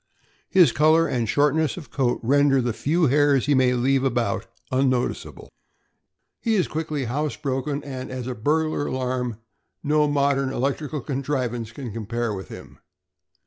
His color and shortness of coat render the few hairs he may leave about unnoticeable. He is quickly house broken, and as a burglar alarm no modern electrical contrivance can compare with him.